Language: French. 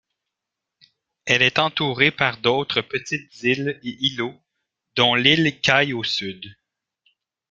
Elle est entourée par d'autres petites îles et îlots dont l'Île Caille au Sud.